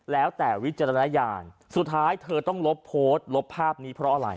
แล้วแต่วิจารณญาณสุดท้ายเธอต้องลบโพสต์ลบภาพนี้เพราะอะไร